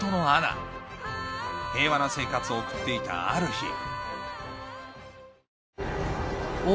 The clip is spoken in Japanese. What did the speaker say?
平和な生活を送っていたある日王